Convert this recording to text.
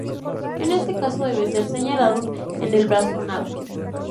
En este caso, debe ser señalado en el blasonado.